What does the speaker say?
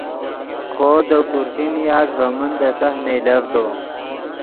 خوو دے کرسی نیاست ڤے من دے تہہ نئیلڤدو